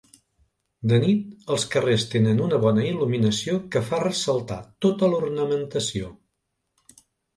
De nit, els carrers tenen una bona il·luminació que fa ressaltar tota l'ornamentació.